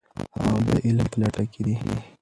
هغوی د علم په لټه کې دي.